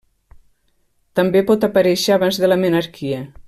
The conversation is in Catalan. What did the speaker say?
També, pot aparèixer abans de la menarquia.